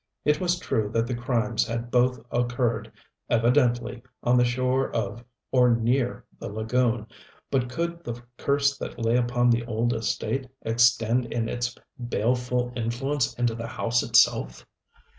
It was true that the crimes had both occurred, evidently, on the shore of or near the lagoon, but could the curse that lay upon the old estate extend its baleful influence into the house itself?